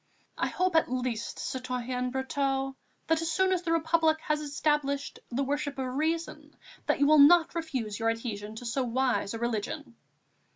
I hope, at least, citoyen Brotteaux, that, as soon as the Republic has established the worship of Reason, you will not refuse your adhesion to so wise a religion!"